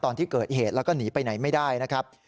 ตอนที่เกิดเหตุแล้วก็หนีไปไหนไม่ได้นะครับ